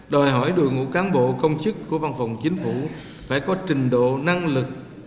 đòi hỏi đội ngũ cán bộ công chức của văn phòng chính phủ phải có trình độ năng lực